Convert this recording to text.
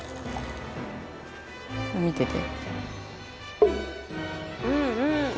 見てて。